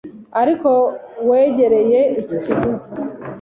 ariko wegereye iki cyuzi